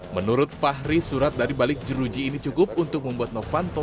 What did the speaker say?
menurut fahri surat dari balik jeruji ini cukup untuk membuat novanto